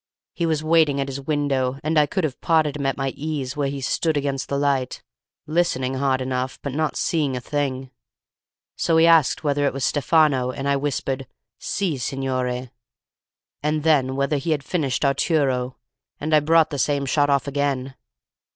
He was waiting at his window, and I could have potted him at my ease where he stood against the light listening hard enough but not seeing a thing. So he asked whether it was Stefano, and I whispered, 'Si, signore'; and then whether he had finished Arturo, and I brought the same shot off again.